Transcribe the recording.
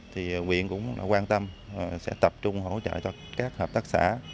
nguyễn cũng quan tâm sẽ tập trung hỗ trợ cho các hợp tác xã